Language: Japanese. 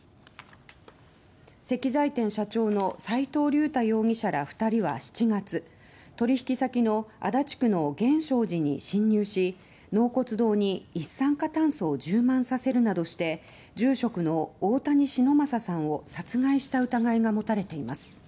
石材店社長の齋藤竜太容疑者ら２人は７月取引先の足立区の源証寺に侵入し納骨堂に一酸化炭素を充満させるなどして住職の大谷忍昌さんを殺害した疑いが持たれています。